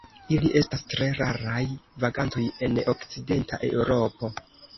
Ili estas tre raraj vagantoj en okcidenta Eŭropo.